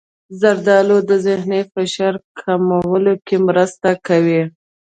زردالو د ذهني فشار کمولو کې مرسته کوي.